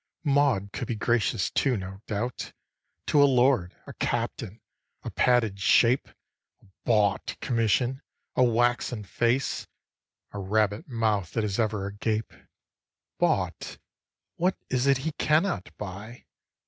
Maud could be gracious too, no doubt, To a lord, a captain, a padded shape, A bought commission, a waxen face, A rabbit mouth that is ever agape Bought? what is it he cannot buy?